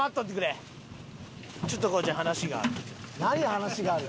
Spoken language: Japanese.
「話がある」